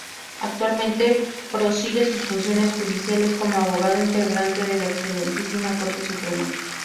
Actualmente prosigue sus funciones judiciales como abogado Integrante de la Excelentísima Corte Suprema.